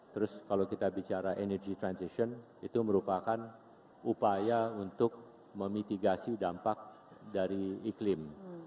terus kalau kita bicara energy transition itu merupakan upaya untuk memitigasi dampak dari iklim